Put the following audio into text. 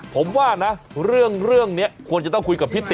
ผมว่านะเรื่องนี้ควรจะต้องคุยกับพี่ตู